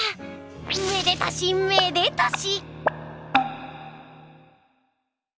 めでたしめでたし！